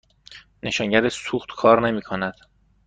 نشانگر سوخت کار نمی کند.